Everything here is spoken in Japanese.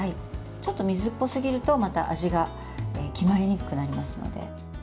ちょっと水っぽすぎると味が決まりにくくなりますので。